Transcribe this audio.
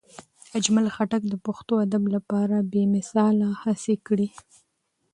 اجمل خټک د پښتو ادب لپاره بې مثاله هڅې کړي.